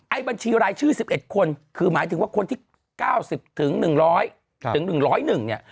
บัญชีรายชื่อ๑๑คนคือหมายถึงว่าคนที่๙๐๑๐๐ถึง๑๐๑เนี่ย